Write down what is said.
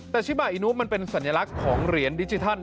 แต่ชิบาอินุมันเป็นสัญลักษณ์ของเหรียญดิจิทัล